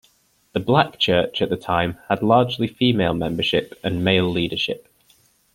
The Black church, at the time, had largely female membership and male leadership.